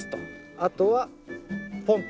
あとはポンと。